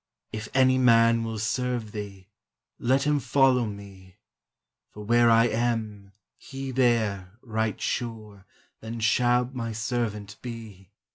Again: "If any man will serve Thee, let him follow me; For where I am, he there, right sure, Then shall my servant be."